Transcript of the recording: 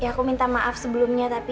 aku minta maaf sebelumnya tapi